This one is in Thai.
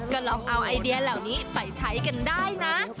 ก็ลองเอาไอเดียเหล่านี้ไปใช้กันได้นะ